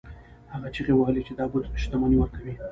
هغه چیغې وهلې چې دا بت شتمني ورکوي.